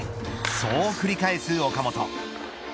そう繰り返す岡本。